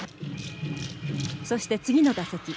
そして次の打席。